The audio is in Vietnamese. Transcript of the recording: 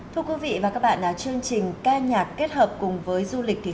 thưa quý vị và các bạn chương trình ca nhạc kết hợp cùng với du lịch